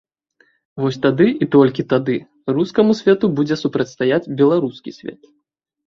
Вось тады, і толькі тады, рускаму свету будзе супрацьстаяць беларускі свет.